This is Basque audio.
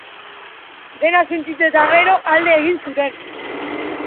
Dena suntsitu eta gero alde egin zuten.